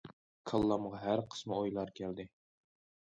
كاللامغا ھەر قىسما ئويلار كەلدى.